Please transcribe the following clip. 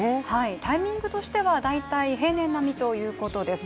タイミングとしては大体平年並みということです。